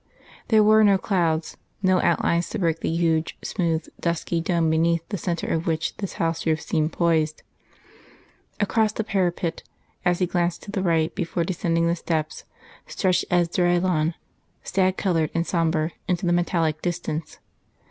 There were no clouds, no outlines to break the huge, smooth, dusky dome beneath the centre of which this house roof seemed poised. Across the parapet, as he glanced to the right before descending the steps, stretched Esdraelon, sad coloured and sombre, into the metallic distance.